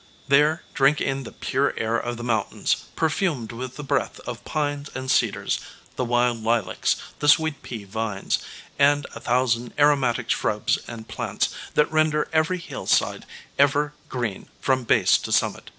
There drink in the pure air of the mountains, perfumed with the breath of pines and cedars, the wild lilacs, the sweet pea vines, and a thousand aromatic shrubs and plants that render every hillside ever green from base to summit.